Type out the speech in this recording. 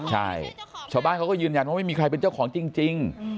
ใช่ชาวบ้านเขาก็ยืนยันว่าไม่มีใครเป็นเจ้าของจริง